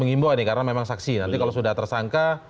mengimbau ini karena memang saksi nanti kalau sudah tersangka